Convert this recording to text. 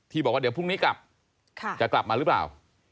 บอกว่าเดี๋ยวพรุ่งนี้กลับจะกลับมาหรือเปล่า